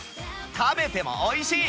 食べても美味しい！